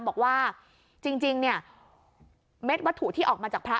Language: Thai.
บอกว่าจริงเนี่ยเม็ดวัตถุที่ออกมาจากพระ